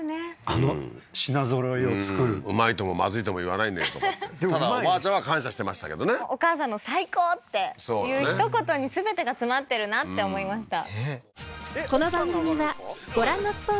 あの品ぞろえを作るうまいともまずいとも言わないんだけどただおばあちゃんは感謝してましたけどねお母さんの最高っていうひと言に全てが詰まってるなって思いました